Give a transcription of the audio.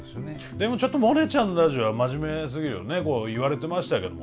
でもちょっとモネちゃんのラジオは真面目すぎるよね言われてましたけども。